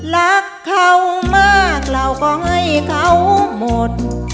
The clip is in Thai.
รักเขามากเราก็ให้เขาหมด